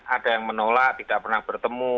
ada yang menolak tidak pernah bertemu